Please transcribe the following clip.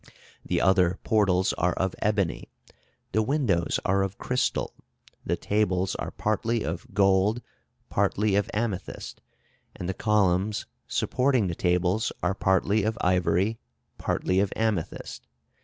"The other portals are of ebony. The windows are of crystal; the tables are partly of gold, partly of amethyst, and the columns supporting the tables are partly of ivory, partly of amethyst.